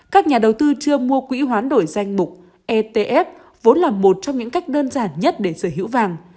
các nhà đầu tư chưa mua quỹ hoán đổi danh mục etf vốn là một trong những cách đơn giản nhất để sở hữu vàng